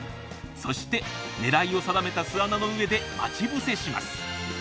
そして狙いを定めた巣穴の上で待ち伏せします。